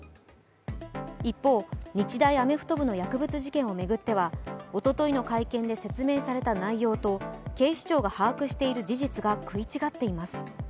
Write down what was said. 一方、日大アメフト部の薬物事件を巡ってはおとといの会見で説明された内容と警視庁が把握している事実が食い違っています。